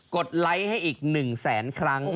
ดไลค์ให้อีก๑แสนครั้ง